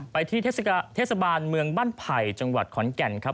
ไปที่เทศบาลเมืองบ้านไผ่จังหวัดขอนแก่นครับ